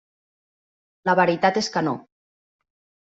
La veritat és que no.